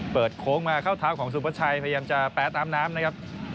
เปิดโค๊งมาเข้าเท้าของซูเปอร์ชายพยายามจะแปะตามน้ำนะครับ